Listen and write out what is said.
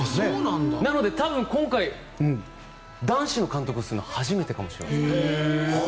なので、多分、今回男子の監督をするのは初めてかもしれないです。